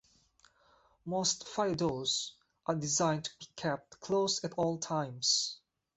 Most fire doors are designed to be kept closed at all times.